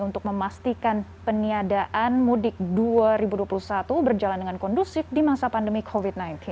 untuk memastikan peniadaan mudik dua ribu dua puluh satu berjalan dengan kondusif di masa pandemi covid sembilan belas